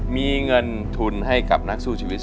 มีเงินทุนให้กับนักสู้ชีวิต